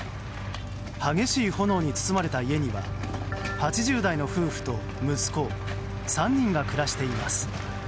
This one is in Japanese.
激しい炎に包まれた家には８０代の夫婦と息子３人が暮らしています。